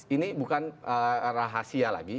ini bukan rahasia lagi